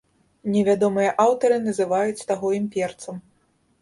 Невядомыя аўтары называюць таго імперцам.